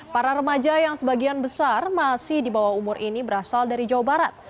para remaja yang sebagian besar masih di bawah umur ini berasal dari jawa barat